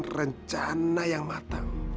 bukan rencana yang matang